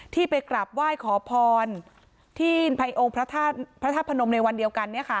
ที่ไปกลับไหว้ขอพรที่ภัยองค์พระธาตุพระธาตุพระนมในวันเดียวกันเนี้ยค่ะ